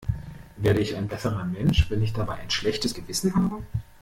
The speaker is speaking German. Werde ich ein besserer Mensch, wenn ich dabei ein schlechtes Gewissen habe?